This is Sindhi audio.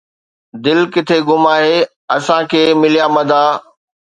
دل ڪٿي گم آهي، اسان کي مليا مدعا